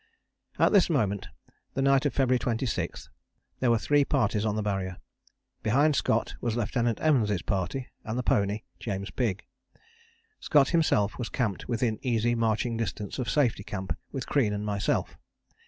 At this moment, the night of February 26, there were three parties on the Barrier. Behind Scott was Lieutenant Evans' party and the pony, James Pigg. Scott himself was camped within easy marching distance of Safety Camp with Crean and myself.